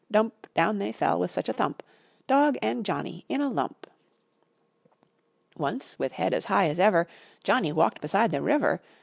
Dump! Down they fell, with such a thump, Dog and Johnny in a lump! Once, with head as high as ever, Johnny walked beside the river.